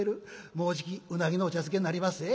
もうじきうなぎのお茶漬けになりまっせ」。